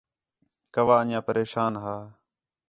کَوّّا انڄیاں پریشان ہا